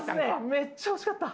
めっちゃ惜しかった。